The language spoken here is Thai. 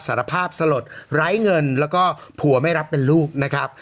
สารภาพสลดไร้เงินแล้วก็ผัวไม่รับเป็นลูกนะครับ